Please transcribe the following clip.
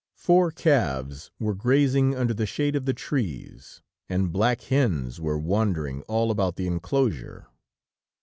Four calves were grazing under the shade of the trees, and black hens were wandering all about the enclosure.